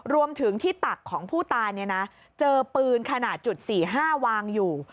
รวมถึงที่ตักของผู้ตายเนี่ยนะเจอปืนขนาดจุด๔๕วางอยู่